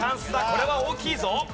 これは大きいぞ。